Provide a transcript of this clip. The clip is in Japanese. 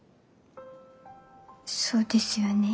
そうですよね。